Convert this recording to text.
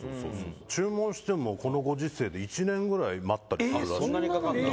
注文しても、このご時世で１年ぐらい待ったりするらしい。